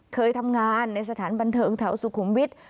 เคยทำงานในสถานบันเทิงแถวสุขุมวิทย์